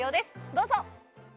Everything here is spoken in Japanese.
どうぞ。